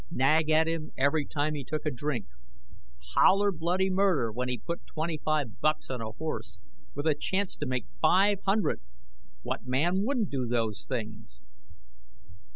Nag at him every time he took a drink. Holler bloody murder when he put twenty five bucks on a horse, with a chance to make five hundred. What man wouldn't do those things?